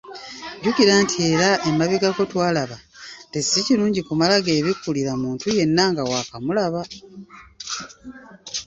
Jjukira nti era emabegako twalaba nti si kirungi kumala “geebikkulira” muntu yenna nga waakamulaba!